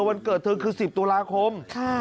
วันเกิดเธอคือ๑๐ตุลาคม